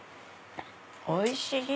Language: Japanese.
おいしい！